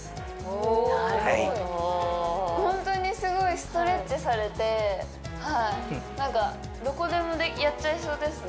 おおホントにすごいストレッチされてなんかどこでもやっちゃいそうですね